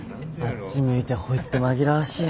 あっち向いてほいって紛らわしい。